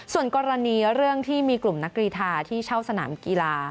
ส่วนกรณีเรื่องที่มีกลุ่มนักกรีธาที่เช่าสนามกีฬา